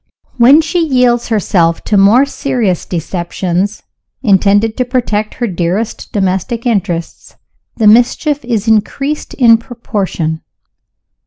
When she yields herself to more serious deceptions, intended to protect her dearest domestic interests, the mischief is increased in proportion.